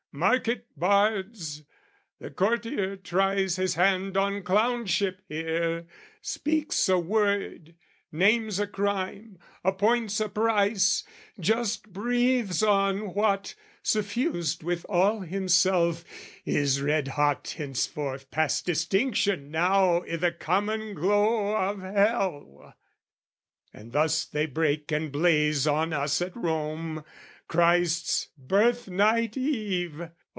Mark it, bards! The courtier tries his hand on clownship here, Speaks a word, names a crime, appoints a price, Just breathes on what, suffused with all himself, Is red hot henceforth past distinction now I' the common glow of hell. And thus they break And blaze on us at Rome, Christ's Birthnight eve!